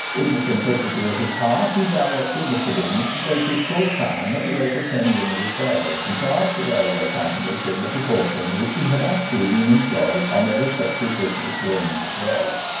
In the simplicity of his heart, he directed Mr. Binns to take his full time at the rate of ten guineas a day, and charge the railway companies in the proportion in which he had been actually employed on their respective business during each day.